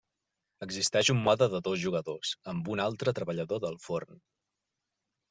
Existeix un mode de dos jugadors, amb un altre treballador del forn.